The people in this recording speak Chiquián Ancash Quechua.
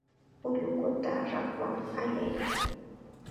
Ullukuta rakwan allay.